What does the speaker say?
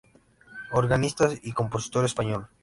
Organista y compositor español.